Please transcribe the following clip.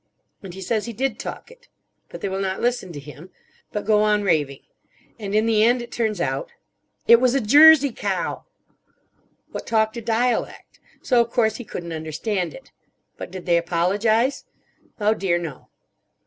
And he says he did talk it. But they will not listen to him. But go on raving. And in the end it turns out. It was a Jersey cow! What talked a dialect. So of course he couldn't understand it. But did they apologise? Oh dear no.